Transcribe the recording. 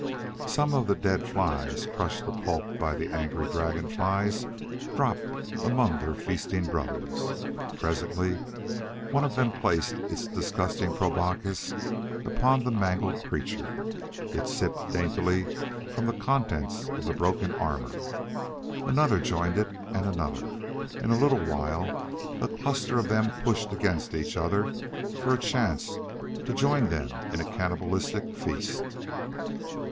Some of the dead flies, crushed to pulp by the angry dragonflies, dropped among their feasting brothers. Presently, one of them placed its disgusting proboscis upon the mangled creature. It sipped daintily from the contents of the broken armor. Another joined it and another. In a little while a cluster of them pushed against each other for a chance to join them in a cannibalistic feast.